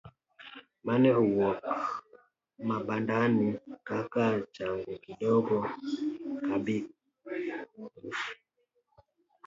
Mane owuok Mabandani kaka Changu Kidogo, Kabisuswa koda moko.